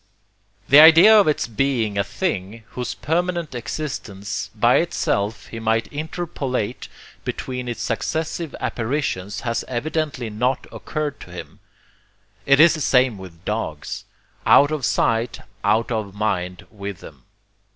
The idea of its being a 'thing,' whose permanent existence by itself he might interpolate between its successive apparitions has evidently not occurred to him. It is the same with dogs. Out of sight, out of mind, with them.